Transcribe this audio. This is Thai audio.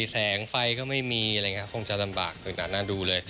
แสงไฟก็ไม่มีค่ะคงจะสำบากคือหนาดูเลย